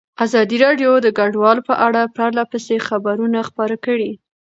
ازادي راډیو د کډوال په اړه پرله پسې خبرونه خپاره کړي.